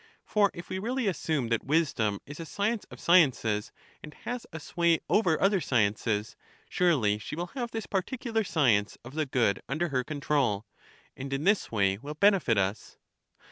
For if we really assume that wisdom is a science of sciences, and has a sway over other sciences, surely she will have this particular science of the good under her control, and in this way will benefit us.